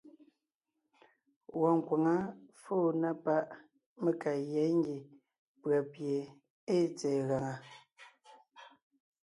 Wɔɔn nkwaŋá fóo na páʼ mé ka gyá ngie pʉ̀a pie ée tsɛ̀ɛ gaŋá.